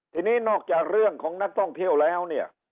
ทีนี้นอกจากเรื่องของนักท่องเที่ยวแล้วเนี่ย